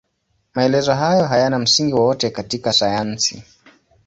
Maelezo hayo hayana msingi wowote katika sayansi.